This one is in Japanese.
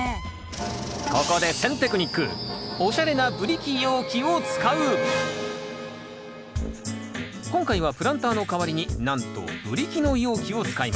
ここで選テクニック今回はプランターの代わりになんとブリキの容器を使います。